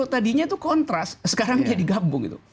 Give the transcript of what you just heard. tadinya itu kontras sekarang dia digabung itu